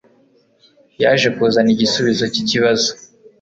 yaje kuzana igisubizo cyikibazo.